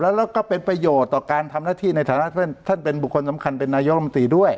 แล้วก็เป็นประโยชน์ต่อการทำหน้าที่ในฐานะท่านเป็นบุคคลสำคัญเป็นนายกรรมตรีด้วย